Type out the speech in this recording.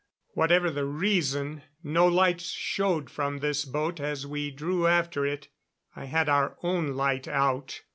Whatever the reason, no lights showed from this boat as we drew after it. I had our own light out.